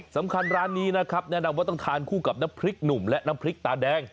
ร้านนี้นะครับแนะนำว่าต้องทานคู่กับน้ำพริกหนุ่มและน้ำพริกตาแดง